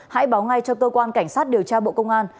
hãy báo ngay cho cơ quan cảnh sát điều tra bộ công an